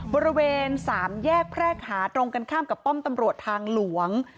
บริเวณสามแยกแพรกหาตรงกันข้ามกับป้อมตำรวจทางหลวง